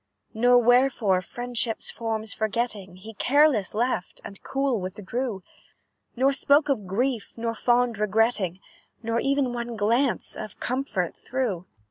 "Nor wherefore, friendship's forms forgetting, He careless left, and cool withdrew; Nor spoke of grief, nor fond regretting, Nor ev'n one glance of comfort threw.